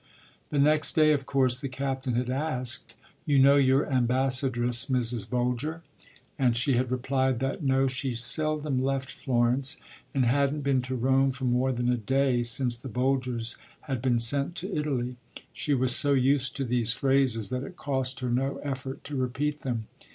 The next day, of course, the captain had asked: “You know your ambassadress, Mrs. Boulger?” and she had replied that, No, she seldom left Florence, and hadn’t been to Rome for more than a day since the Boulgers had been sent to Italy. She was so used to these phrases that it cost her no effort to repeat them.